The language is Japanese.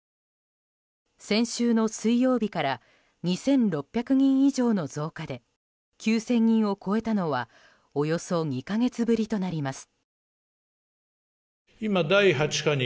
先週の水曜日から２６００人以上の増加で９０００人を超えたのはおよそ２か月ぶりとなります。